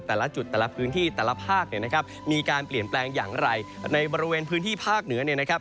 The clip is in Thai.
แต่ละจุดแต่ละพื้นที่แต่ละภาคเนี่ยนะครับมีการเปลี่ยนแปลงอย่างไรในบริเวณพื้นที่ภาคเหนือเนี่ยนะครับ